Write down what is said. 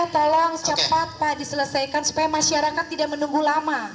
tolong cepat pak diselesaikan supaya masyarakat tidak menunggu lama